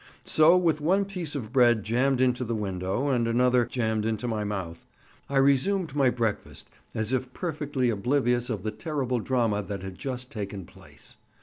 So with one piece of bread jammed into the window, and another jammed into my mouth, I resumed my breakfast as if perfectly oblivious of the terrible drama that had just taken place.